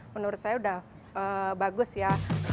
menurut saya sudah bagus ya